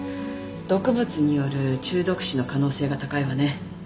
毒物による中毒死の可能性が高いわね。